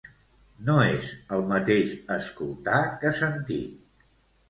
No és el mateix escoltar que sentir